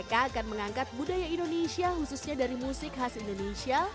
mereka akan mengangkat budaya indonesia khususnya dari musik khas indonesia